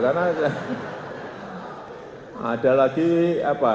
karena ada lagi apa